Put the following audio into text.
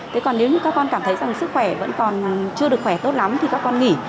thế còn nếu như các con cảm thấy rằng sức khỏe vẫn còn chưa được khỏe tốt lắm thì các con nghỉ